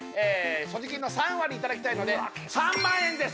所持金の３割いただきたいので３万円です